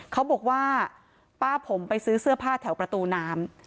เขาบอกว่าป้าผมไปซื้อเสื้อผ้าแถวประตูน้ำ